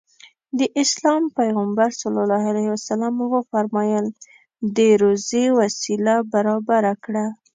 د اسلام پيغمبر ص وفرمايل د روزي وسيله برابره کړه.